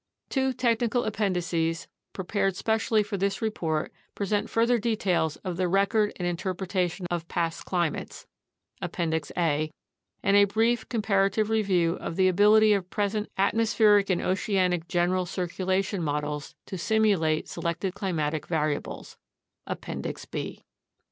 Two technical appendixes prepared specially for this report present further details of the record and interpretation of past climates (Appendix A) and a brief com parative review of the ability of present atmospheric and oceanic gen eral circulation models to simulate selected climatic variables (Ap pendix B).